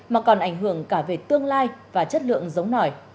mà còn ảnh hưởng cả về tương lai và chất lượng giống nòi